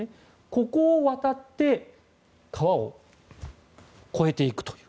ここを渡って川を越えていくという。